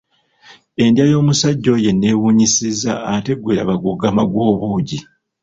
Endya y'omusajja oyo eneewunyisizza ate gwe laba guggama gw'obuugi.